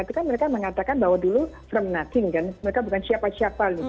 itu kan mereka mengatakan bahwa dulu from nothing kan mereka bukan siapa siapa